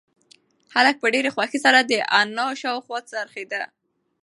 هلک په ډېرې خوښۍ سره د انا شاوخوا څرخېده.